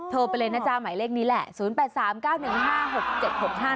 โทรไปเลยนะจ๊ะหมายเลขนี้แหละ๐๘๓๙๑๕๖๗๖๕